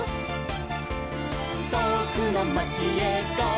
「とおくのまちへゴー！